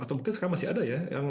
atau mungkin sekarang masih ada ya